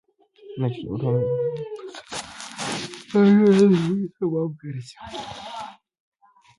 نجونې په ټولنه کې د هر ډول فساد او بې نظمۍ سبب ګرځي.